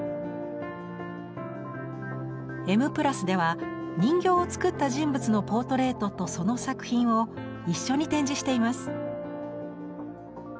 「Ｍ＋」では人形を作った人物のポートレートとその作品を一緒に展示しています。